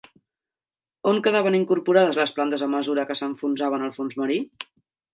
On quedaven incorporades les plantes a mesura que s'enfonsaven al fons marí?